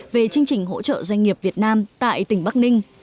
về chương trình hỗ trợ doanh nghiệp việt nam tại tỉnh bắc ninh